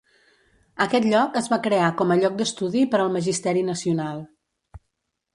Aquest lloc es va crear com a lloc d'estudi per al magisteri nacional.